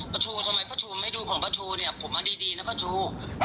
พระชูทำไมพระชูไม่ดูของพระชูเนี่ยผมมาดีนะพระชู